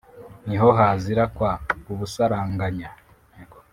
niho hazira kwa kubusaranganya